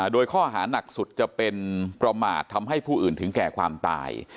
โดยข้อหานักสุดจะเป็นประมาททำให้ผู้อื่นถึงแก่ความตาย